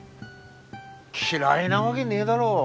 嫌いなわげねえだろ。